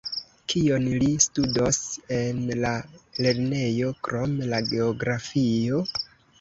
Kion li studos en la lernejo, krom la geografio?